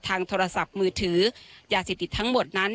โทรศัพท์มือถือยาเสพติดทั้งหมดนั้น